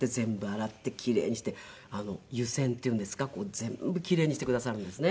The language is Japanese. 全部奇麗にしてくださるんですね。